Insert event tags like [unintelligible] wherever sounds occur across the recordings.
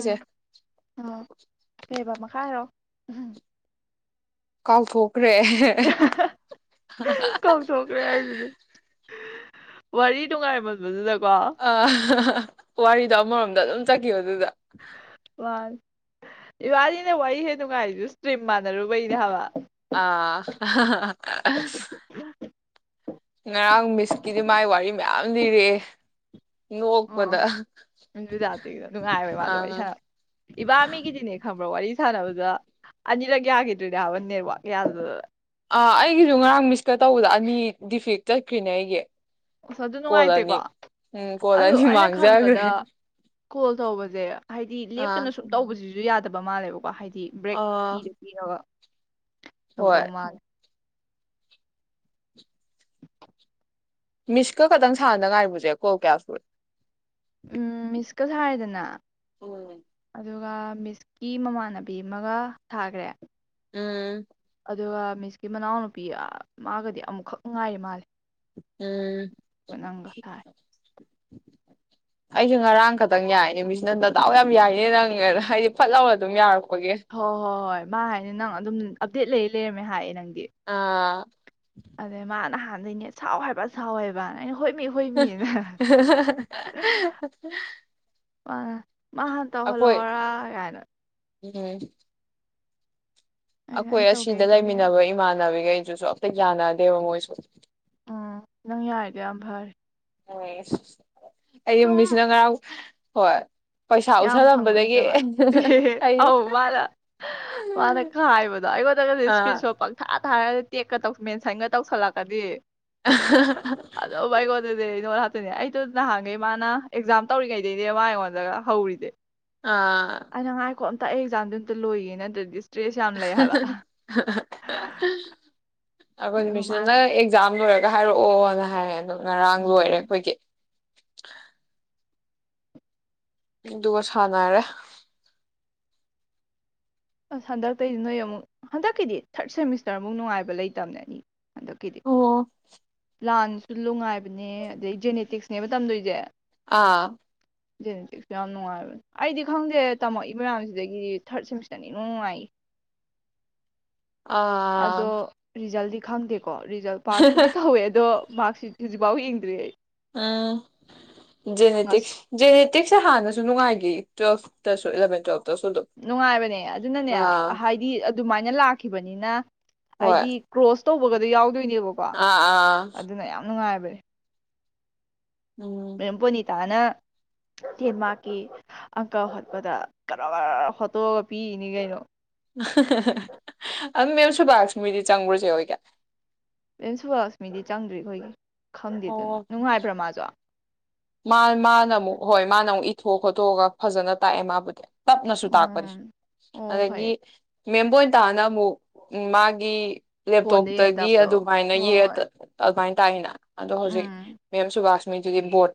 ꯎꯝ ꯑ ꯀꯕ ꯈꯥꯏꯔꯣ ꯎꯝ ꯀꯥꯎ ꯐꯨ ꯔꯦ ꯀꯥꯎꯊꯣꯛꯈ꯭ꯔꯦ ꯍꯥꯏꯁꯤꯅꯦ ꯋꯥꯔꯤ ꯅꯨꯡꯉꯥꯏꯕꯗꯨꯗ ꯑ ꯍꯍ ꯋꯥꯔꯤꯗꯣ ꯑꯃꯔꯣꯝꯗ ꯑꯗꯨꯝ ꯆꯠꯈꯤꯕꯗꯨꯗ ꯋꯥ ꯏꯕꯥꯅꯤꯅꯦ ꯋꯥꯔꯤ ꯍꯦ ꯅꯨꯡꯉꯥꯏꯔꯤꯗꯨ ꯏꯁꯇ꯭ꯔꯤꯝ ꯃꯥꯟꯅꯔꯨꯕꯩꯅꯦ ꯍꯥꯏꯕ ꯑ ꯑꯁ ꯉꯔꯥꯡ ꯃꯤꯁꯀꯤꯗꯤ ꯃꯥꯏ ꯋꯥꯔꯤ ꯃꯌꯥꯝ ꯂꯤꯔꯛꯑꯦ ꯅꯣꯛꯄꯗ ꯑꯣ ꯖꯖꯥꯇꯤꯗ ꯅꯨꯡꯉꯥꯏ ꯃꯥꯗꯣ ꯋꯥꯔꯤ ꯑꯥ ꯁꯥꯟꯅꯕ ꯏꯕꯥꯃꯤꯒꯤꯗꯤꯅꯦ ꯈꯪꯕ꯭ꯔ ꯋꯥꯔꯤꯁ ꯁꯥꯟꯅꯕꯗ ꯑꯅꯤꯔꯛ ꯌꯥꯈꯤꯗ꯭ꯔꯔꯤꯅꯦ ꯍꯥꯏꯕ ꯅꯦꯠꯋꯥꯛ ꯌꯥꯗꯗꯅ ꯑ ꯑꯩꯒꯤꯁꯨ ꯉꯔꯥꯡ ꯃꯤꯁꯀ ꯇꯧꯕꯗ ꯑꯅꯤ ꯗꯤꯐꯦꯛ ꯆꯠꯈ꯭ꯔꯤꯅꯦ ꯑꯩꯒꯤ ꯑꯗꯨ ꯀꯣꯜ ꯅꯨꯡꯉꯥꯏꯇꯦꯀꯣ ꯑꯅꯤ ꯎꯝ ꯀꯣꯜ ꯑꯗꯣ ꯑꯅꯤ ꯑꯩꯅ ꯈꯟꯕꯗ ꯃꯥꯡꯖꯈ꯭ꯔꯦ ꯀꯣꯜ ꯇꯧꯕꯁꯦ ꯍꯥꯏꯗꯤ ꯑꯥ ꯂꯦꯞꯇꯅ ꯁꯨꯝ ꯇꯧꯕꯁꯤꯁꯨ ꯑꯗꯨꯨ ꯌꯥꯗꯕ ꯃꯥꯜꯂꯦꯕꯀꯣ ꯍꯥꯏꯗꯤ ꯗꯤ ꯕ꯭ꯔꯦꯛ ꯑꯥ ꯄꯤꯔ ꯄꯤꯔꯒ ꯍꯣꯏ ꯇꯧꯗꯧ ꯃꯥꯜꯂꯤ ꯃꯤꯁꯀ ꯈꯛꯇꯪ ꯁꯥꯟꯗ ꯉꯥꯏꯔꯤꯕꯨꯁꯦꯀꯣ ꯀꯌꯥ ꯐꯨꯠ ꯎꯝ ꯃꯤꯁ ꯀ ꯍꯥꯏꯔꯗꯅ ꯎꯝ ꯑꯗꯨꯒ ꯃꯤꯁꯀꯤ ꯃꯃꯥꯟꯅꯕꯤ ꯑꯃꯒ ꯊꯥꯈ꯭ꯔꯦ ꯎꯝ ꯑꯗꯨꯒ ꯃꯤꯁꯀꯤ ꯃꯅꯥꯎ ꯅꯨꯄꯤ ꯃꯥꯒꯗꯤ ꯑꯃꯨꯛꯈꯛ ꯉꯥꯏꯔꯤ ꯃꯥꯂꯦ ꯎꯝ ꯊꯥꯔꯦ ꯑꯩꯁꯨ ꯉꯔꯥꯡ ꯈꯛꯇꯪ ꯌꯥꯏꯅꯦ ꯃꯤꯁꯅ ꯅꯗꯥꯎ ꯌꯥꯝ ꯌꯥꯏꯅꯦ ꯅꯪꯉꯦꯅ ꯍꯥꯏꯗꯤ ꯐꯠꯍꯔꯒ ꯑꯗꯨꯝ ꯌꯥꯔꯄ ꯍꯣꯏ ꯍꯣꯏ ꯍꯣꯏ ꯃꯥ ꯍꯥꯏꯅꯤ ꯅꯪ ꯑꯗꯨꯝ ꯑꯞꯗꯦꯗ ꯂꯩꯔ ꯂꯩꯔꯝꯃꯦ ꯍꯥꯏꯌꯦ ꯅꯪꯒꯤ ꯑꯥ ꯑꯗꯩ ꯃꯥ ꯅꯍꯥꯟꯗꯒꯤꯅꯦ ꯁꯥꯎ ꯍꯥꯏꯕ ꯁꯥꯎꯋꯦꯕꯅ ꯑꯩꯅ ꯍꯣꯏꯃꯤ ꯍꯣꯏꯃꯤꯅ ꯍ ꯍꯍꯍ ꯍ ꯄ ꯃꯥ ꯍꯥꯟꯅ ꯇꯧꯍꯜꯂꯛꯑꯣꯔꯥ ꯀꯥꯏꯅ ꯎꯝ ꯑꯩꯅ ꯑꯩꯈꯣꯏ ꯑꯩ ꯇꯧꯒꯦ ꯑꯩ ꯑꯁꯤꯗ ꯇꯧꯒꯦ ꯂꯩꯃꯤꯟꯅꯕ ꯏꯃꯥꯟꯅꯕꯤꯒꯩ ꯁꯨ ꯑꯝꯇ ꯌꯥꯅꯗꯦꯕ ꯃꯣꯏꯁꯨ ꯎꯝ ꯅꯪ ꯌꯥꯔꯗꯤ ꯌꯥꯝ ꯐꯔꯦ ꯑ ꯑꯩ ꯁꯨꯝ ꯃꯤꯁꯅ ꯉꯔꯥ ꯍꯣꯏ ꯄꯩꯁꯥ ꯌꯥꯝ ꯐꯪꯕ꯭ꯔ ꯎꯁꯜꯂꯝꯕꯗꯒꯤ ꯅꯠꯇꯕ ꯏꯦ ꯑꯩ ꯑꯧ ꯃꯥꯅ ꯃꯥꯅ ꯀ ꯍꯥꯏꯕꯗꯣ ꯑꯩꯉꯣꯟꯗꯒꯗꯤ ꯏꯁꯄꯤ ꯑꯥ ꯁꯣ ꯄꯪꯊꯥ ꯊ ꯍꯥꯏꯔꯒ ꯇꯦꯛꯀ ꯇꯧ ꯃꯦꯟ ꯁꯥꯏꯟꯒ ꯇꯧꯁꯜꯂꯛꯀꯗꯤ ꯑꯗꯣ ꯥꯏꯣꯗꯗꯦ ꯏꯣ ꯍ ꯑꯗꯨꯅꯦ ꯑꯩꯗꯣ ꯅꯍꯥꯟꯈꯩ ꯃꯥꯅ ꯑꯦꯛꯖꯥꯝ ꯇꯧꯔꯤꯉꯩꯗꯩꯅꯦ ꯃꯥ ꯑꯩꯉꯣꯟꯗꯒ ꯍꯧꯔꯗ ꯑꯥ ꯇ ꯑꯩ ꯑꯦꯛꯥꯝꯗꯨ ꯑꯝꯇ ꯂꯣꯏꯌꯦꯦꯅꯠꯇ꯭ꯔꯗꯤ [unintelligible] ꯑꯈꯣꯏ ꯑꯗꯨꯒ ꯃꯤꯁꯅ ꯃꯥꯅ ꯅ ꯑꯦꯖꯥꯗꯔ ꯍꯥꯏꯔꯛꯑꯣꯅ ꯍꯥꯏꯔꯛꯦ ꯑꯗꯣ ꯉꯔꯥꯡ ꯂꯣꯏꯔꯦ ꯎꯝ ꯑꯩꯈꯣꯏꯒꯤ ꯑ ꯑꯗꯨꯒ ꯀ ꯊꯅꯔꯦ ꯑꯁ ꯍꯟꯗꯛꯇꯩꯒꯤꯗꯤ ꯅꯣꯏ ꯑꯃꯨꯛ ꯍꯟꯗꯛꯀꯤꯗꯤ ꯊꯥꯔꯠ ꯁꯦꯃꯤꯁꯇꯔ ꯑꯃꯨꯛ ꯅꯨꯡꯉꯥꯏꯕ ꯂꯩꯇꯕꯅꯦꯅꯤ ꯑꯣ ꯂꯥꯟꯁꯨ ꯅꯨꯡꯉꯥꯏꯕꯅꯦ ꯑꯗꯩ ꯖꯦꯅꯦꯇꯤꯛꯁꯅꯦꯕ ꯇꯝꯗꯣꯏꯁꯦ ꯑꯥ ꯖꯦꯅꯦꯇꯤꯛꯁꯨ ꯌꯥꯝ ꯅꯨꯡꯉꯥꯏꯕꯅꯦ ꯑꯩꯗꯤ ꯈꯪꯗꯦ ꯇꯝꯃꯛꯏ ꯃꯌꯥꯝꯁꯤꯗꯒꯤ ꯊꯥꯔꯠꯁꯔ ꯅꯤ ꯃꯨꯏ ꯑ ꯈꯪꯗꯦ ꯀꯣ ꯔꯤꯖꯜꯠ ꯄꯥꯁꯄꯨꯗꯤ ꯇꯧꯋꯦ ꯑꯗꯣ ꯃꯥꯔꯛꯁꯤꯠ ꯍꯧꯖꯤꯛꯐꯥꯎ ꯌꯦꯡꯗ꯭ꯔꯤ ꯑꯩ ꯑꯥ ꯍꯇ ꯉꯁꯤ [unintelligible] ꯃꯇꯦꯛꯁꯦ ꯍꯥꯟꯅꯁꯨ ꯅꯨꯡꯉꯥꯏꯈꯤ ꯇꯨꯌꯦꯜꯐꯇꯁꯨ ꯑꯦꯂꯕꯦꯟ ꯇꯨꯌꯦꯜꯞ ꯅꯨꯡꯉꯥꯏꯕꯅꯦ ꯑꯗꯨꯅꯅꯦ ꯍꯥꯏꯗꯤ ꯑꯗꯨꯃꯥꯏꯅ ꯂꯥꯛꯈꯤꯕꯅꯤꯅ ꯍꯣꯏ ꯍꯥꯏꯗꯤ ꯀ꯭ꯔꯣꯁ ꯇꯧꯕꯒꯗꯤ ꯌꯥꯎꯗꯦ ꯅꯦꯕꯀꯣ ꯑꯥ ꯑꯥ ꯑꯗꯨꯅ ꯌꯥꯝ ꯅꯨꯡꯉꯥꯏꯔꯦ ꯃꯦ ꯎꯝ ꯇꯥꯅ ꯗꯦꯟꯃꯥꯛꯔꯀꯤ ꯑꯪꯀꯜ ꯍꯣꯠꯄꯗ ꯀꯔ ꯐꯣꯇꯣꯒ ꯄꯤꯔꯤꯅꯤ ꯀꯩꯅꯣ ꯑ [unintelligible] ꯨꯕꯁꯃꯤꯗꯤ ꯆꯪꯨꯔꯁꯦ ꯑꯣꯏꯒ [unintelligible] ꯈꯪꯗꯦꯗꯨꯅ ꯑꯣ ꯅꯨꯡꯉꯥꯏꯕ꯭ꯔꯥ ꯃꯥꯖꯣ ꯃꯥꯅ ꯑꯃꯨꯛ ꯍꯣꯏ ꯃꯥꯅ ꯑꯃꯨꯛ ꯏꯊꯣꯛ ꯈꯣꯠꯇꯣꯛꯑꯒ ꯐꯖꯅ ꯇꯥꯛꯑꯦ ꯃꯥꯕꯨꯗꯤ ꯇꯞꯅꯁꯨ ꯇꯥꯛꯄꯅꯦ ꯎꯝ ꯑꯣ ꯑꯗꯒꯤ ꯐꯩꯌꯦ ꯃꯦꯝꯕꯇꯥꯥꯅ ꯑꯃꯨꯛ ꯃꯥꯒꯤ ꯐꯣꯟꯗ ꯌꯦꯡꯉ ꯂꯦꯞꯇꯣꯞꯇꯒꯤ ꯇꯥꯛꯄꯗꯣ ꯑꯗꯨꯃꯥꯏꯅ ꯍꯣꯏ ꯌꯦꯛ ꯍꯣꯏ ꯑꯗꯨꯃꯥꯏ ꯇꯥꯏꯅ ꯑꯗꯣ ꯍꯧꯖꯤꯛ ꯎꯝ ꯃꯦꯝ ꯁꯨꯕꯥꯁ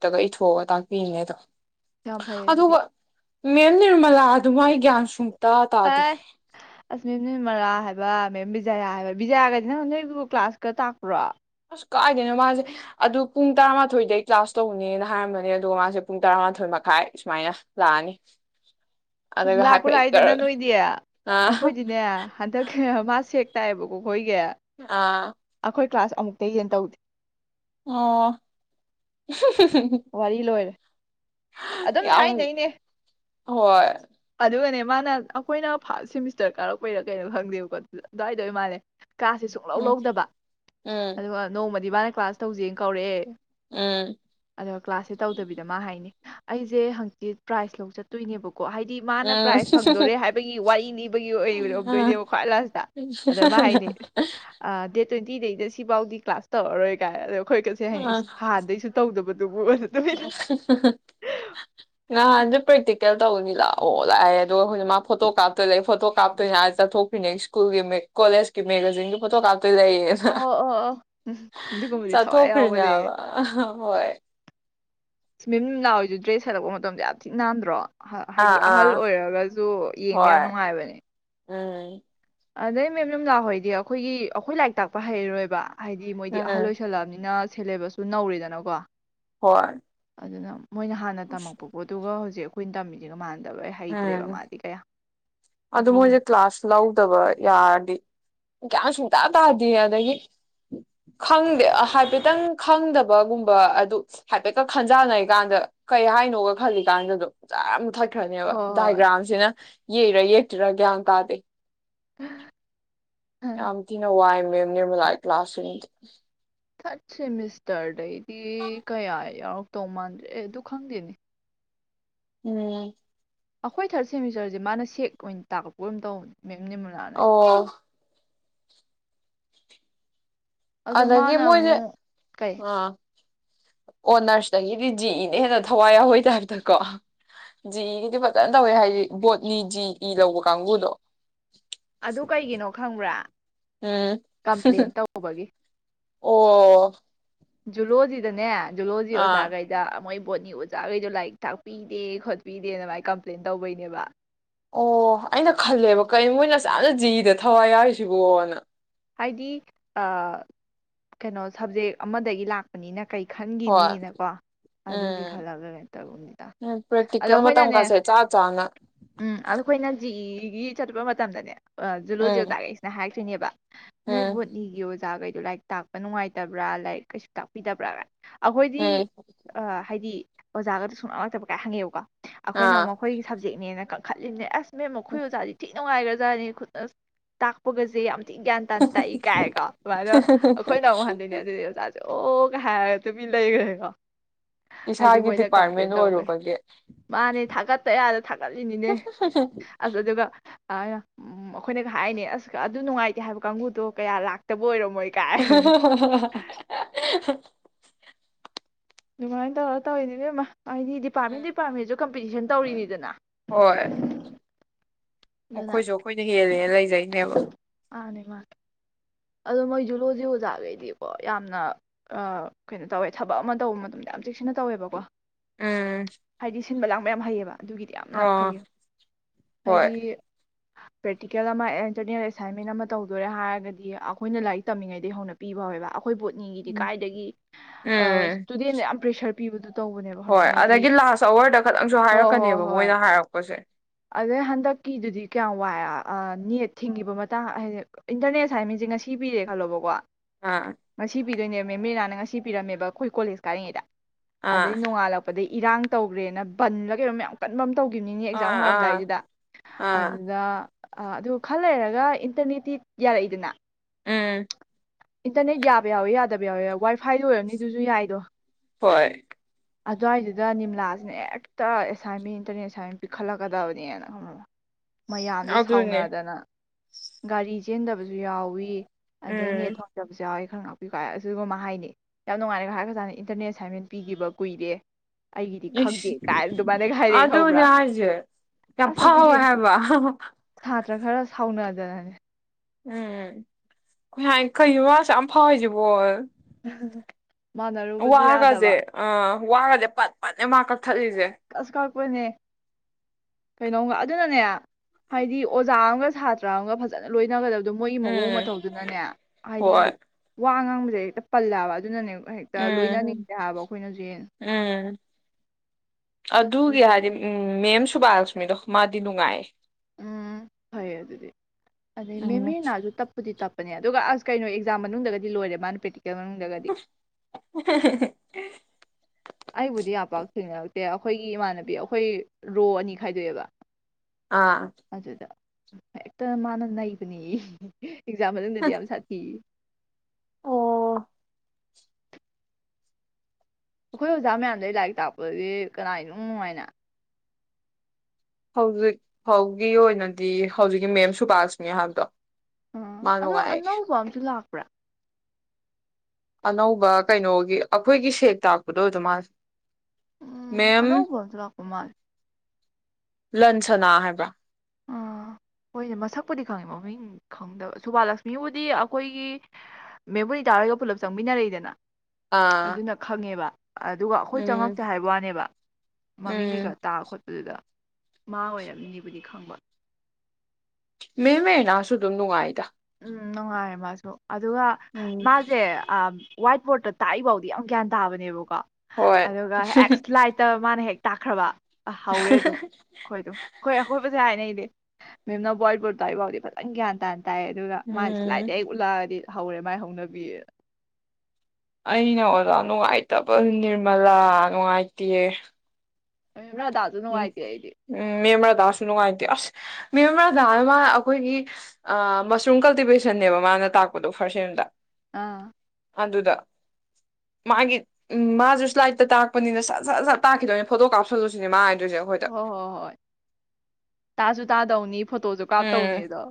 [unintelligible] ꯇꯒ ꯏꯊꯣꯛꯑꯒ ꯇꯥꯛꯄꯤꯅꯦ ꯑꯗꯣ ꯌꯥꯝ ꯐꯩꯌꯦ ꯑꯗꯨꯗꯤ [unintelligible] ꯒꯌꯥꯟ ꯁꯨꯨꯝꯇꯥ ꯇꯥꯗꯦ ꯑꯦ ꯑꯁ ꯃꯦꯝ ꯅꯤꯔꯃꯥꯂꯥ ꯍꯥꯏꯕ ꯃꯦꯝ ꯕꯤꯖꯌꯥ ꯍꯥꯏꯕ ꯕꯤꯖꯌꯥꯒꯗꯤ ꯅꯪ ꯅꯣꯏꯗꯨꯕꯨ ꯀ꯭ꯂꯥꯁꯀ ꯇꯥꯛꯄ꯭ꯔꯣ ꯑꯁ ꯀꯥꯏꯗꯣꯏꯅꯣ ꯃꯥꯁꯦ ꯑꯗꯨ ꯄꯨꯡ ꯇꯔꯥꯃꯥꯊꯣꯏꯗꯩ ꯀ꯭ꯂꯥꯁ ꯇꯧꯕꯅꯦꯅ ꯍꯥꯏꯔꯝꯕꯅꯦ ꯑꯗꯨꯒ ꯃꯥꯁꯦ ꯄꯨꯡ ꯇꯔꯥꯃꯥꯊꯣꯏ ꯃꯈꯥꯏ ꯁꯨꯃꯥꯏꯅ ꯂꯥꯛꯑꯅꯤ ꯑꯁ ꯑꯗꯨꯒ ꯂꯥꯛꯄ ꯍꯥꯏꯐꯦꯠ ꯂꯥꯛꯏꯗꯅ ꯇꯧꯔꯒ ꯅꯣꯏꯗꯤ ꯑꯥ ꯑꯩꯈꯣꯏꯗꯤꯅꯦ ꯍꯟꯗꯛ ꯃꯥꯁꯦꯛ ꯇꯥꯏꯕꯣ ꯍꯣꯏꯒ ꯑꯥ ꯑꯩꯈꯣꯏ ꯀ꯭ꯂꯥꯁ ꯑꯃꯨꯛꯇ ꯍꯦꯟꯅ ꯇꯧꯗꯦ ꯑꫭ ꯋꯥꯔꯤ ꯂꯣꯏꯔꯦ ꯑꯗꯨꯝ ꯌꯥꯝ ꯊꯥꯏꯅꯩꯅꯦ ꯍꯣꯏ ꯑꯗꯨꯒꯅꯦ ꯃꯥꯅ ꯑꯩꯈꯣꯏꯅ ꯐꯥꯔ ꯁꯦꯃꯤꯁꯇꯔ ꯀꯥꯔꯛꯄꯩꯔꯥ ꯀꯩꯅꯣ ꯈꯪꯗꯦꯕꯀꯣ ꯑꯗꯨꯋꯥꯏꯗꯧ ꯏꯃꯥꯅꯦ ꯀꯥꯁꯦ ꯁꯨꯡꯂꯧ ꯎꯝ ꯂꯧꯗꯕ ꯎꯝ ꯑꯗꯨꯒ ꯅꯣꯡꯃꯗꯤ ꯗꯤ ꯃꯥꯅ ꯀ꯭ꯂꯥꯁ ꯇꯧꯁꯦꯅ ꯀꯧꯔꯛꯑꯦ ꯎꯝ ꯑꯗꯣ ꯀ꯭ꯂꯥꯁꯁꯦ ꯇꯧꯗꯕꯤꯗ ꯃꯥ ꯍꯥꯏꯅꯤ ꯑꯩꯁꯦ ꯍꯪꯆꯤꯠ ꯄ꯭ꯔꯥꯏꯖ ꯂꯧ ꯆꯠꯇꯣꯏꯅꯦꯕꯀꯣ ꯀꯣ ꯍꯥꯏꯗꯤ ꯎꯝ ꯃꯥꯅ ꯎꯝ ꯄ꯭ꯔꯥꯏꯖ ꯐꯪꯗꯣꯔꯦ ꯍꯥꯏꯕꯒꯤ ꯋꯥꯔꯤ ꯂꯤꯅꯤꯕꯒꯤ ꯎꯝ ꯑꯣꯏꯔꯣꯝꯗꯣꯏꯅꯦꯕ ꯈ꯭ꯋꯥꯏ ꯂꯁꯤꯗ ꯑꯗ ꯃꯥ ꯍꯥꯏꯅꯤ ꯇ꯭ꯋꯦꯟꯇꯤꯗꯩꯗ ꯁꯤꯐꯥꯎꯗꯤ ꯀ꯭ꯂꯥꯁ ꯇꯧꯔꯔꯣꯏ ꯀꯥꯏ ꯑꯗꯣ ꯑꯩꯈꯣꯏ ꯀꯠꯁꯦ ꯍꯥꯏꯅ ꯏꯁ ꯍꯥꯟꯗꯩꯁꯨ ꯇꯧꯗꯕ ꯑꯗꯨ ꯄ꯭ꯔꯛꯇꯤꯀꯦꯜ ꯇꯧꯅꯤ ꯂꯥꯛꯑꯣ ꯂꯥꯛꯑꯦ ꯑꯗꯨꯒꯗ ꯑꯩꯈꯣꯏꯅ ꯃꯥ ꯐꯣꯇꯣ ꯀꯥꯞꯇꯣꯏ ꯂꯩꯦ ꯐꯣꯇꯣ ꯀꯥꯞꯇꯣꯏꯅꯤꯅ ꯆꯠꯊꯣꯛ꯭ꯔꯤꯅꯦ ꯁ꯭ꯀꯨꯜꯒꯤ ꯀꯣꯂꯦꯖꯀꯤ ꯃꯦꯒꯥꯖꯤꯟꯒꯤ ꯐꯣꯇꯣ ꯀꯥꯞ ꯂꯩꯌꯦꯅ ꯑꯣ ꯑꯣ ꯑꯣ ꯑꯗꯨꯒꯨꯝꯕꯗꯤ ꯊꯋꯥꯏ ꯌꯥꯎꯕꯅꯦ ꯆꯠꯊꯣꯛꯈ꯭ꯔꯤꯅꯦꯕ ꯍꯣꯏ ꯁꯨꯃꯤꯝ ꯂꯥꯎꯏꯗꯨ ꯗ꯭ꯔꯦꯁ ꯍꯜꯂꯛꯄ ꯃꯇꯝꯗ ꯌꯥꯝ ꯊꯤꯛ ꯅꯥꯟꯗ꯭ꯔꯣ ꯑꯥ ꯍꯥꯏꯗꯤ ꯑꯥ ꯑꯍꯜ ꯑꯣꯏꯔꯒꯁꯨ ꯌꯦꯡꯕ ꯌꯥꯝ ꯍꯣꯏ ꯅꯨꯡꯉꯥꯏꯕꯅꯦ ꯎꯝ ꯑꯗꯩ ꯃꯦꯝ ꯅꯨꯡꯗꯥꯥꯍꯣꯏꯗꯤ ꯑꯩꯈꯣꯏꯒꯤ ꯑꯩꯈꯣꯏ ꯂꯥꯏꯔꯤꯛ ꯇꯥꯛꯄ ꯍꯩꯔꯣꯏꯕ ꯍꯥꯏꯗꯤ ꯃꯣꯏꯗꯤ ꯑꯍꯜ ꯎꯝ ꯑꯣꯏꯁꯜꯂꯛꯑꯕꯅꯤꯅ ꯁꯦꯂꯦꯕꯁꯇꯨ ꯅꯧꯔꯤꯗꯅꯀꯣ ꯍꯣꯏ ꯑꯗꯨꯅ ꯃꯣꯏꯅ ꯍꯥꯟꯅ ꯑꯁ ꯇꯝꯃꯛꯄꯀꯣ ꯑꯗꯨꯒ ꯁꯤꯦ ꯑꯩꯈꯣꯏꯅ ꯇꯝꯃꯤꯁꯤꯒ ꯃꯥꯥꯟꯦ ꯎꯝ ꯑꯗꯨ ꯑꯗꯨ ꯑꯗꯨꯒꯤꯅꯤ ꯃꯣꯏꯦ ꯀ꯭ꯂꯥꯁ ꯂꯥꯎ ꯠꯇꯕ ꯌꯥꯔꯗꯤ ꯀꯌꯥꯝ ꯁꯨꯡꯇꯥ ꯇꯥꯗꯦ ꯑꯗꯒꯤ ꯈꯪꯗꯦ ꯍꯥꯏꯐꯦꯠꯇꯪ ꯈꯪꯗꯕꯒꯨꯝꯕ ꯑꯗꯨ ꯍꯥꯏꯐꯦꯠꯀ ꯈꯟꯖꯥꯟꯅꯩꯀꯥꯟꯗ ꯀꯩ ꯍꯥꯏꯅꯣꯒ ꯈꯜꯂꯤꯀꯥꯟꯗ ꯑꯗꯨꯣ ꯑꯣꯖꯥ ꯃꯨꯊꯠꯈ꯭ꯔ ꯍꯣꯏ ꯍꯣꯏ ꯗꯥꯏꯒ꯭ꯔꯝꯁꯤꯅ ꯌꯩꯔ ꯌꯦꯛꯇꯔꯒ꯭ꯌꯥꯥꯡ ꯀꯥꯗꯦ ꯑꯝ ꯊ ꯅ ꯋꯥꯏ ꯃꯦꯝꯅꯦ ꯂꯥꯛꯏ ꯀ꯭ꯂ ꯂꯥꯁ ꯊꯥꯔꯠ ꯁꯦꯃꯤꯁꯇꯔꯗꯩꯗꯤ ꯀꯌꯥ ꯌꯥꯎꯔꯛꯇꯧ ꯃꯥꯟꯗ꯭ꯔꯦ ꯑꯗꯨ ꯈꯪꯗꯦꯅꯤ ꯎꯝ ꯑꯩꯈꯣꯏ ꯊꯥꯔꯠ ꯁꯦꯃꯤꯁꯇꯔꯁꯦ ꯃꯥꯅ ꯁꯦꯛ ꯑꯣꯏꯅ ꯇꯥꯛꯂꯛꯄ ꯑꯣꯏꯅꯝ ꯇꯧꯕꯅꯦ ꯃꯦꯝꯦꯝꯅꯤ ꯃꯅꯥ ꯂ ꯑꯣ ꯑꯗꯣ ꯑꯗꯒꯤ ꯃꯥꯅ ꯃꯖ ꯑꯃꯨꯛ ꯀꯩ ꯑ ꯑꯣ ꯅꯔꯁꯇꯒꯤꯗꯤ ꯖꯤ ꯏꯅ ꯍꯦꯟꯅ ꯊꯋꯥꯏ ꯍꯋꯥꯏ ꯇꯥꯏꯞꯇꯀꯣ ꯖꯤ ꯏꯒꯤꯗꯤ ꯐꯖꯅ ꯇꯧꯋꯦ ꯍꯥꯏꯗꯤ ꯕꯣꯠꯅꯤ ꯖꯤ ꯏ ꯂꯧꯕ ꯀꯥꯡꯕꯨꯗꯣ ꯑꯗꯨ ꯀꯩꯒꯤꯅꯣ ꯈꯪꯕ꯭ꯔꯥ ꯎꯝ ꯀꯝꯄ꯭ꯂꯦꯟ ꯇꯧꯧꯕꯒꯤ ꯑꯣ ꯖꯨꯂꯣꯖꯤꯗꯅꯦ ꯖꯨꯂꯣꯖꯤ ꯑꯥ ꯑꯣꯖꯥꯈꯩꯗ ꯃꯣꯏ ꯄꯣꯠꯅꯤ ꯑꯣꯖꯥꯈꯩꯗꯣ ꯂꯥꯏꯔꯤꯛ ꯇꯥꯛꯄꯤꯗꯦ ꯈꯣꯠꯄꯤꯗꯦ ꯑꯗꯨꯃꯥꯏꯅ ꯀꯝꯄ꯭ꯂꯦꯟ ꯇꯧꯕꯩꯅꯦꯕ ꯑꯣ ꯑꯩꯅ ꯈꯜꯂꯦꯕ ꯀꯔꯤ ꯃꯣꯏꯅꯁ ꯌꯥꯝꯅ ꯖꯤꯗ ꯊꯋꯥꯏ ꯌꯥꯎꯔꯤꯁꯤꯕꯣꯅ ꯍꯥꯏꯗꯤ ꯀꯩꯅꯣ ꯁꯕꯖꯦꯛ ꯑꯃꯗꯒꯤ ꯂꯥꯛꯄꯅꯤꯅ ꯀꯩ ꯍꯣꯏ ꯈꯟꯈꯤꯅꯤꯅꯀꯣ ꯑꯗꯨꯒꯤ ꯎꯝ ꯈꯜꯂꯒ ꯀꯩꯅ ꯇꯧꯔꯨꯅꯤꯗ ꯎꯝ ꯑꯗꯣ ꯄ꯭ꯔꯦꯛꯇꯤꯀꯦꯜ ꯑꯩꯈꯣꯏꯅꯅꯦ ꯃꯇꯝꯒꯁꯦ ꯆꯥ ꯆꯥꯅ ꯎꯝ ꯑꯗꯣ ꯑꯩꯈꯣꯏꯅ ꯖꯤꯛ ꯒꯤ ꯆꯠꯄ ꯃꯇꯝꯗꯅꯦ ꯑ ꯖꯂꯣꯖꯤ ꯎꯝ ꯇꯒꯥꯏꯁꯅ ꯍꯥꯏ ꯟꯕ ꯎꯝ ꯅꯣꯏꯕꯣꯠꯂꯤꯒꯣ ꯑꯣꯖꯥꯈꯩꯗꯣ ꯂꯥꯏꯔꯤꯛ ꯇꯥꯛꯄ ꯅꯨꯡꯉꯥꯏꯇꯕ꯭ꯔꯥ ꯂꯥꯏꯔꯤꯛ ꯀꯩꯁꯨ ꯇꯥꯛꯄꯤꯗꯕ꯭ꯔꯥꯒ ꯑꯩꯈꯣꯏꯗꯤ ꯎꯝ ꯍꯥꯏꯗꯤ ꯑꯣꯖꯥꯒꯗ ꯁꯨꯡꯅꯥꯎ ꯂꯛꯇꯕ ꯀꯥꯏ ꯍꯪꯉꯦꯨꯒ ꯑꯩꯈꯣꯏꯅ ꯑꯃꯨ ꯑꯥ ꯃꯈꯣꯏꯒꯤ ꯁꯞꯖꯦꯛꯅꯦꯅ ꯀꯟꯈꯠꯂꯤꯅꯦ ꯑꯁ ꯃꯃ ꯃꯈꯈꯣꯏ ꯌꯥꯗꯤꯤ ꯅꯨꯡꯉꯥꯏꯈ꯭ꯔꯖꯥꯠꯅꯤ ꯈꯨꯠꯅ ꯇꯥꯛꯄꯒꯁꯦ ꯌꯥꯝ ꯒ꯭ꯌꯥꯟ ꯇꯥꯥꯟ ꯇꯥꯛꯏ ꯀꯥꯏꯦꯀꯣ ꯑꯗꯨꯃꯥꯏꯅ ꯑꯩꯈꯣꯏꯅ ꯑꯃꯨꯛ ꯍꯟꯗꯣꯏꯅꯦ ꯑꯗꯨꯗꯤ ꯑꯣꯖꯥꯥꯁꯦ ꯑꯣ ꯍꯥꯏ ꯇ ꯃꯤ ꯂꯩꯒꯦꯒ ꯍꯥꯏꯗꯤ ꯏꯁꯥꯒꯤ ꯃꯣꯏꯅ ꯗꯤꯄꯥꯔꯠꯃꯦꯟ ꯀꯝꯄ꯭ꯂꯦꯟ ꯇꯧꯔꯕꯩ ꯑꯣꯏꯔꯨꯕꯒꯤ ꯃꯥꯅꯦ ꯊꯥꯒꯠꯇ ꯌꯥꯗ ꯊꯥꯒꯠꯂꯤꯅꯤꯅꯦ ꯑꯁ ꯑꯗꯨꯒ ꯑ ꯑꯩꯈꯣꯏꯅꯒ ꯍꯥꯏꯅꯤ ꯑꯁ ꯑꯗꯨ ꯅꯨꯡꯉꯥꯏꯇ ꯍꯥꯏꯕ ꯀꯥꯡꯨꯗꯣ ꯀꯌꯥ ꯂꯥꯛꯇꯕ ꯑꯣꯏꯔꯝꯅꯣ ꯗꯨꯃꯥꯏꯅ ꯇꯧꯔ ꯇꯧꯔꯤꯤꯅꯦꯅꯦꯦꯝꯃ ꯑꯩꯗꯤꯄꯥꯔꯃꯦꯟ ꯗꯤꯄꯥꯔꯃꯦꯟ ꯀꯝꯄꯤꯇꯤꯁꯟ ꯇꯧꯔꯤꯅꯤꯗꯅ ꯍꯣꯏꯣꯏ ꯑꯗꯨꯅ ꯑꯩꯈꯣꯏꯁꯨ ꯑꯩꯈꯣꯏꯅ ꯍꯦꯜꯂꯦꯦ ꯂꯩꯖꯩꯅꯦꯕ ꯃꯥꯅꯦ ꯃꯥꯅꯦ ꯑꯗꯣ ꯃꯣꯏ ꯖꯨꯂꯣꯖꯤ ꯑꯣꯖꯥꯈꯩꯗꯤꯀꯣ ꯌꯥꯝꯅ ꯀꯩꯅꯣ ꯇꯧꯋꯦ ꯊꯕꯛ ꯑꯃ ꯇꯧꯕ ꯃꯇꯝꯗ ꯌꯥꯝ ꯆꯦꯛꯁꯤꯟꯅ ꯇꯧꯋꯦꯕꯀꯣ ꯎꯝ ꯍꯥꯏꯗꯤ ꯁꯤꯟꯕꯂ ꯃꯌꯥꯝ ꯍꯩꯌꯦꯕ ꯑꯗꯨꯒꯤꯗꯤ ꯌꯥꯝꯅ ꯑꯣ ꯐꯩ ꯍꯣꯏ ꯍꯥꯏꯗꯤ ꯄ꯭ꯔꯦꯛꯇꯤꯀꯦꯜ ꯑꯃ ꯏꯟꯇꯔꯅꯦꯜ ꯑꯦꯁꯥꯏꯟꯃꯦꯟ ꯑꯃ ꯇꯧꯗꯣꯔꯦ ꯍꯥꯏꯔꯒꯗꯤ ꯑꯩꯈꯣꯏꯅ ꯂꯥꯏꯔꯤꯛ ꯇꯝꯃꯤꯉꯩꯗꯒꯤ ꯍꯧꯅ ꯄꯤꯕ ꯍꯧꯋꯦꯕ ꯑꯩꯈꯣꯏ ꯣꯠꯅꯤꯒꯤꯗꯤ ꯎꯝ ꯀꯥꯏꯗꯒꯤ ꯎꯝ ꯏꯁꯇꯨꯗꯦꯟꯗ ꯌꯥꯝ ꯄ꯭ꯔꯦꯁꯔ ꯄꯤꯕꯗ ꯍꯣꯏ ꯑꯗꯒꯤ ꯂꯥꯁ ꯑꯋꯥꯔꯗ ꯈꯇꯪꯁꯨ ꯍꯣꯏ ꯍꯣꯏ ꯍꯥꯏꯔꯛꯀꯅꯦꯕ ꯍꯣꯏ ꯃꯣꯏꯅ ꯍꯥꯏꯔꯛꯄꯁꯦ ꯑꯗꯩ ꯍꯟꯗꯛꯀꯤꯗꯨꯗꯤ ꯀꯌꯥꯝ ꯋꯥꯏ ꯅꯦꯠ ꯊꯤꯡꯈꯤꯕ ꯃꯇꯥꯡ ꯍꯥꯏꯗꯤ ꯏꯟꯇꯔꯅꯦꯠꯁ ꯍꯥꯏ ꯃꯤꯁꯦ ꯉꯁꯤ ꯄꯤꯔꯦ ꯈꯜꯂꯣꯕꯀꯣ ꯑꯥ ꯄꯤꯗꯣꯏꯅꯦꯕ ꯃꯦꯝ ꯃꯔꯤꯅꯥꯅ ꯉꯁꯤ ꯄꯔꯝꯃꯦꯕ ꯑꯩꯈꯣꯏ ꯀꯣꯂꯦꯖ ꯀꯥꯏꯔꯤꯉꯩꯗ ꯑꯗꯩ ꯑꯥ ꯅꯣꯡꯉꯥꯜꯂꯛꯄꯗꯒꯤꯩ ꯏꯔꯥꯡ ꯇꯧꯈ꯭ꯔꯦꯅ ꯕꯟꯂ ꯀꯩꯅꯣ ꯃꯌꯥꯝ ꯀꯟꯕ ꯑꯃ ꯇꯧꯈꯤꯕꯅꯤ ꯑꯦꯛꯖꯥꯝ ꯑꯥ ꯑꯥ ꯍꯧꯔꯝꯗꯥꯏꯗꯨꯗ ꯑꯥ ꯑꯗꯨꯗ ꯑꯥ ꯑꯗꯨꯒ ꯈꯔ ꯂꯩꯔꯒ ꯏꯟꯇꯔꯅꯦꯠꯇꯤ ꯌꯥꯜꯂꯛꯏꯗꯅ ꯎꯝ ꯏꯟꯇꯔꯅꯦꯠ ꯌꯥꯕ ꯌꯥꯎꯋꯦ ꯌꯥꯗꯕ ꯌꯥꯎꯋꯦ ꯋꯥꯏ ꯐꯥꯏꯗ ꯑꯣꯏꯔꯅꯤ ꯑꯗꯨꯁꯨ ꯌꯥꯏꯗꯣ ꯍꯣꯏ ꯑꯗꯨꯋꯥꯏꯗꯨꯗ ꯅꯤꯝꯂꯥꯁꯤꯅ ꯍꯦꯛꯇ ꯑꯦꯁꯥꯏꯟꯃꯦꯟ ꯏꯟꯇꯔꯅꯦꯠ ꯑꯦꯁꯥꯏꯟꯃꯦꯟ ꯄꯤꯈꯠꯂꯛꯀꯗꯕꯅꯦꯅ ꯈꯪꯂꯝꯃꯣ ꯃꯌꯥꯝꯁꯦ ꯑꯗꯨꯅꯦ ꯁꯥꯎꯅꯗꯅ ꯒꯥꯔꯤ ꯆꯦꯟꯗꯕꯁꯨ ꯌꯥꯎꯋꯤ ꯑꯗꯩꯅꯦ ꯎꯝ ꯊꯣꯡꯖꯕꯁꯨ ꯌꯥꯎꯋꯦ ꯈꯔ ꯉꯥꯛꯄꯤꯀꯣ ꯑꯗꯨꯒꯨꯝꯕ ꯍꯥꯏꯅꯤ ꯌꯥꯝ ꯅꯨꯡꯉꯥꯏꯔꯦ ꯍꯥꯏꯔ ꯈꯖꯥꯅꯤ ꯏꯟꯇꯔꯅꯦꯠ ꯑꯦꯁꯥꯏꯟꯃꯦꯟ ꯄꯤꯈꯤꯕ ꯀꯨꯏꯔꯦ ꯑꯩꯒꯤꯗꯤ ꯈꯪꯗꯦ ꯏꯁ ꯀꯥꯏ ꯑꯗꯨꯃꯥꯏꯅꯒ ꯍꯥꯏꯔꯛꯑꯦ ꯈꯪꯕ꯭ꯔꯥ ꯑꯗꯨꯅꯦ ꯍꯥꯏꯁꯦ ꯌꯥꯝ ꯐꯥꯎꯋꯦ ꯍꯥꯏꯕ ꯅꯠꯇ꯭ꯔ ꯈꯔ ꯁꯥꯎꯅꯖꯅꯅꯦ ꯎꯝ ꯑꯩꯈꯣꯏ ꯍꯥꯏ ꯀꯩ ꯋꯥꯁꯨ ꯌꯥꯝ ꯐꯥꯎꯁꯤꯕꯣ ꯎ ꯋꯥꯒꯖꯦ ꯑ ꯋꯥꯒꯗꯦ ꯄ ꯄꯅꯦ ꯃꯥ ꯊꯠꯂꯤꯁꯦ ꯣꯏꯅꯦ ꯀꯩꯅꯣꯝꯒ ꯑꯗꯨꯅꯅꯦ ꯍꯥꯏꯗꯤ ꯑꯣꯖꯥ ꯑꯃꯒ ꯁꯥꯇ꯭ꯔ ꯑꯃꯒ ꯐꯖꯅ ꯂꯣꯏꯅꯒꯗꯕ ꯑꯗꯣ ꯃꯣꯏꯒꯤ ꯃꯑꯣꯡ ꯎꯝ ꯃꯇꯧꯗꯨꯅꯅꯦ ꯍꯣꯏ ꯍꯥꯏꯗꯤ ꯋꯥꯥꯡ ꯁꯦ ꯍꯦꯛꯇ ꯄꯜꯂꯑꯕ ꯑꯗꯨꯅꯅꯦ ꯍꯦꯛꯇ ꯎꯝ ꯂꯣꯏꯅꯅꯤꯡꯗꯦ ꯍꯥꯏꯕ ꯑꯩꯈꯣꯏꯅꯖꯤꯦ ꯎꯝ ꯑꯗꯨꯒꯤ ꯍꯥꯏꯗꯤ ꯎ ꯃꯦꯝꯁ ꯁꯨꯕꯥ ꯂꯁꯃꯤꯗꯣ ꯃꯥꯗꯤ ꯅꯨꯡꯉꯥꯏ ꯎꯝ ꯐꯣꯏ ꯑꯗꯨꯗꯤ ꯑꯗꯩ ꯎꯝ ꯃꯦꯃꯤꯅꯁꯨ ꯇꯞꯄꯨꯗꯤ ꯇꯞꯄ ꯐꯅꯦ ꯑꯗꯨꯒ ꯑꯁ ꯀꯩꯅꯣ ꯑꯦꯛꯖꯥꯝ ꯃꯅꯨꯡꯗꯗꯤ ꯂꯣꯏꯔꯦ ꯃꯥꯅ ꯄ꯭ꯔꯦꯛꯇꯤ ꯀꯌꯥ ꯃꯅꯨꯡꯗꯖꯒꯥꯗꯤ ꯎꯝ ꯑꯩꯕꯨꯗꯤ ꯌꯥꯝ ꯄꯥꯛ ꯊꯦꯡꯅꯔꯛꯇꯦ ꯑꯩꯈꯣꯏꯒꯤ ꯏꯃꯥꯟꯅꯕꯤ ꯑꯩꯈꯣꯏ ꯔꯣ ꯑꯅꯤ ꯈꯥꯏꯗꯣꯛꯑꯦꯕ ꯑꯥ ꯑꯦꯛꯇꯣ ꯃꯥꯅ ꯅꯕꯅꯤ ꯑꯦꯛꯖꯥꯝ ꯃꯅꯨꯡꯗꯗꯤ ꯌꯥꯝ ꯁꯥꯊꯤ ꯑꯣ ꯑꯩꯈꯣꯏ ꯑꯣꯖꯥ ꯃꯌꯥꯝꯗ ꯂꯥꯏꯔꯤꯛ ꯇꯥꯛꯄꯗꯤ ꯀꯅꯥꯅꯝ ꯅꯨꯡꯉꯥꯏꯅ ꯍꯧꯖꯤꯛ ꯐꯒꯤ ꯑꯣꯏꯅꯗꯤ ꯍꯧꯖꯤꯛꯀꯤ ꯃꯦꯝ ꯁꯨꯕꯥꯁꯃꯤ ꯍꯥꯏꯕꯗꯣ ꯎꯝ ꯃꯥ ꯑꯗꯣ ꯅꯨꯡꯉꯥꯏ ꯑꯅꯧꯕ ꯑꯝꯨ ꯂꯥꯛ ꯄꯨ ꯑꯅꯧꯕ ꯀꯩꯅꯣꯒꯤ ꯑꯩꯈꯣꯏꯒꯤ ꯁꯦꯠ ꯇꯥꯛꯄꯗꯣ ꯑꯗꯨ ꯃꯥꯁ ꯎꯝ ꯑꯅꯧ ꯀꯣꯊ ꯀꯨꯃꯔ ꯂꯟꯁꯅꯥ ꯍꯥꯏꯕ꯭ꯔꯥ ꯑꯥ ꯍꯣꯏꯅꯦ ꯃꯁꯛꯄꯨꯗꯤ ꯈꯪꯉꯤ ꯃꯃꯤꯡ ꯈꯪꯗꯕ ꯁꯨꯕꯥ ꯂꯛꯁꯃꯤꯕꯨꯗꯤ ꯑꯩꯈꯣꯏꯒꯤ ꯃꯦꯕꯨꯅꯤ ꯇꯥꯔꯣꯏꯒ ꯄꯨꯜꯂꯞ ꯆꯪꯃꯤꯟꯅꯔꯛꯏꯗꯅ ꯑꯥ ꯑꯗꯨꯅ ꯈꯪꯉꯦꯕ ꯑꯗꯨꯒ ꯑꯩꯈꯣꯏ ꯎꯝ ꯆꯪꯉꯛꯇꯦ ꯍꯥꯏꯕ ꯋꯥꯅꯦꯕ ꯃꯃꯤꯡ ꯎꯝ ꯀꯩꯀꯥ ꯇꯥ ꯈꯣꯠꯄꯗꯨꯗ ꯃꯥ ꯑꯣꯏꯔꯃꯅꯤ ꯕꯨꯗ ꯈꯪꯕꯥ꯫ ꯃꯥꯝ ꯃꯦꯔꯤꯅꯥ ꯁꯨ ꯑꯗꯨꯝ ꯅꯨꯉ꯭ꯒꯥꯏ ꯗꯥ꯫ ꯎꯝ ꯅꯨꯉ꯭ꯒꯥꯏ ꯃꯁꯨ꯫ ꯑꯗꯨꯒꯥ ꯎꯝ ꯃꯥꯁꯦ ꯑꯥ꯫ ꯍꯣꯌꯥꯏꯠ ꯕꯣꯔꯗ ꯗꯥ ꯇꯥꯀꯀꯦ ꯐꯥꯑꯣ ꯗꯤ ꯏꯝꯝ ꯒꯏꯟ ꯇꯥꯕꯅꯦ ꯕꯥ ꯀꯣ꯫ ꯑꯥ ꯍꯣꯏ ꯑꯗꯨꯒꯥ ꯍꯦꯛ ꯁ꯭ꯂꯥꯏꯗ ꯗꯥ ꯃꯥꯅꯥ ꯍꯦꯛ꯫ ꯇꯥꯈꯔꯥꯕꯥ꯫ ꯑꯥ ꯍꯨꯔꯦ ꯑꯗꯨꯝ ꯑꯈꯣꯏ ꯗꯨꯝ ꯑꯈꯣꯏ ꯃꯁꯦꯟ ꯍꯥꯏꯅꯦꯏ ꯅꯦ꯫ ꯃꯥꯝ ꯍꯣꯌꯥꯏꯠ ꯕꯣꯔꯗ ꯗꯥ ꯇꯥꯀꯀꯦ ꯐꯥꯑꯣ ꯗꯤ ꯐ꯭ꯍꯖꯅꯥ ꯒꯏꯟ ꯇꯥꯅꯥ ꯇꯥꯀꯀꯦ꯫ ꯑꯗꯨꯒꯥ ꯃꯥꯅꯥ ꯎꯝ ꯁ꯭ꯂꯥꯏꯗ ꯍꯦꯛ ꯎꯠꯂꯥ ꯗꯤ ꯍꯥꯑꯣꯔꯦ ꯃꯥꯏ ꯍ꯭ꯋꯅꯥꯕꯤ꯫ ꯑꯩꯅꯥ ꯑꯣꯖꯥ ꯅꯨꯡꯒꯥꯏꯇꯥꯕꯥ ꯅꯤꯔꯃꯂꯥ ꯅꯨꯉ꯭ꯒꯥꯏꯇꯤꯌꯦ꯫ ꯃꯥꯝ ꯔꯥꯙꯥ ꯗꯨ ꯅꯨꯉ꯭ꯒꯥꯏꯇꯦ ꯏꯗ꯫ ꯗꯥꯁꯨ ꯅꯨꯡꯉꯥꯏꯇꯦ ꯑꯁ ꯃꯤꯝ ꯔꯗꯥꯅ ꯃꯥ ꯑꯩꯈꯣꯏꯒꯤ ꯃꯁꯔꯨꯝ ꯀꯜꯇꯤꯚꯦꯁꯟꯅꯦꯕ ꯃꯥꯅ ꯇꯥꯛꯄꯗꯣ ꯐꯔꯁꯦꯟꯝꯗ ꯑꯥ ꯑꯗꯨꯗ ꯃꯥꯒꯤ ꯎ ꯃꯥꯁꯨ ꯁ꯭ꯂꯥꯏꯠꯇ ꯇꯥꯛꯄꯅꯤꯅ ꯁꯠ ꯁꯖ ꯁꯖꯠ ꯇꯥꯛꯈꯤꯗꯣꯏꯅꯦ ꯐꯣꯇꯣ ꯀꯥꯞꯁꯜꯂꯨꯁꯨ [inaudible] ꯍꯣ ꯍꯣꯏ ꯇꯥꯁꯨ꯫ ꯇꯥꯗꯧꯅꯤ ꯍꯥꯌꯅꯥ ꯀꯧꯏ꯫ ꯐꯣꯇꯣ ꯁꯨ ꯀꯄꯇꯧꯅꯤ ꯇꯧꯕꯥ꯫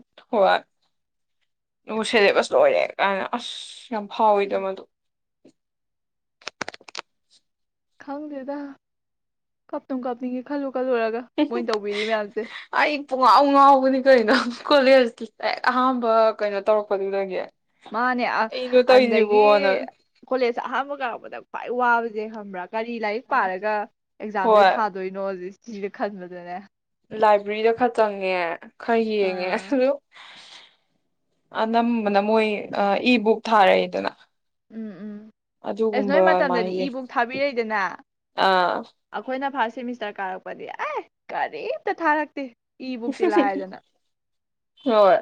ꯎꯝ ꯑꯗꯨꯒꯥ ꯁꯤꯂꯦꯕꯁ ꯂꯣꯏꯔꯦ ꯒꯥꯏꯅꯥ ꯑꯁ꯭ꯍ꯫ ꯌꯥꯝ ꯐꯥꯑꯣꯎꯏ ꯗꯥ ꯎꯝ ꯃꯥ ꯗꯨ꯫ ꯈꯪꯒꯗꯦ ꯗꯥ ꯀꯞꯄꯨ ꯀꯄꯅꯤꯡꯒꯦ ꯈ꯭ꯂꯨ꯫ ꯑꯩ ꯄꯨꯡ ꯉꯣꯎ ꯉꯣꯎꯕꯅꯦ ꯀꯦꯏꯅꯣ꯫ ꯀꯣꯂꯦꯖꯀꯤ ꯑꯍꯥꯟꯕ ꯀꯩꯅꯣ ꯇꯧꯔꯛꯄꯗꯨꯗꯒꯤ ꯃꯥꯅꯦ ꯑꯩꯅꯣ ꯑꯗꯨꯗꯥꯒꯤ ꯇꯧꯔꯤꯁꯤꯕꯣꯅ ꯗꯤ ꯀꯣꯂꯦꯖ ꯑꯍꯥꯟ ꯕꯥ ꯀꯔꯄꯥꯗꯥ ꯈꯋꯥꯏ ꯋꯥꯕꯥ꯫ ꯦꯔ ꯀꯥꯔꯤ ꯂꯥꯏꯔꯤꯛ ꯄꯥꯔꯥꯒꯥ ꯑꯦꯀꯖꯥꯝ ꯁꯦ ꯍꯣꯏ ꯊꯥꯗꯣꯏꯅꯣ ꯁꯦ꯫ ꯆꯔ ꯈꯗꯕꯗꯅ ꯂꯥꯏꯕ꯭ꯔꯦꯔꯤ ꯗꯥ ꯈ꯭ꯔꯥ ꯆꯉ꯭ꯒꯦ꯫ ꯈ꯭ꯔꯥ ꯌꯦꯡꯒꯦ ꯑꯗꯨ꯫ ꯎꯝ ꯑꯅꯕꯅꯥ ꯃꯣꯏ ꯑꯥ ꯏꯕꯨꯛ ꯊꯥꯔꯦꯏ ꯗꯤ. ꯑꯦꯟ. ꯑꯦ ꯎꯝ ꯎꯝ ꯑꯦꯁ ꯅꯣꯏ ꯃꯇꯝ ꯗꯥ ꯑꯗꯨꯃꯥꯏꯅ ꯗꯦ ꯌꯦꯡ ꯕꯨꯛ ꯊꯥꯕꯤꯔꯦꯏ ꯗ꯭ꯅꯥ ꯑꯥ ꯑꯈꯣꯏꯅꯥ ꯑꯍꯥꯅꯕꯥ꯫ ꯁꯦꯃꯤꯁ꯭ꯇꯔ ꯀꯔꯄꯥ ꯗꯤ ꯑꯦꯍꯍ ꯀꯔꯦꯃꯗꯥ ꯊꯥꯔꯀꯇꯦ꯫ ꯏꯕꯨꯛ ꯗꯤ ꯂꯥꯏꯔꯥ ꯗꯤ. ꯑꯦꯟ. ꯑꯦ ꯍꯣꯏ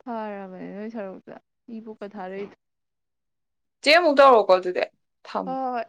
ꯊꯥꯔꯕꯅꯦ ꯅꯣꯏ ꯁꯔꯨꯛꯇ ꯏ ꯄꯣꯛꯀ ꯊꯥꯔꯛꯏꯗ ꯆꯦ ꯑꯃꯗ ꯋꯥ ꯀꯣꯜꯗꯗ ꯊꯝꯕ ꯍꯣꯏ ꯍꯣꯏ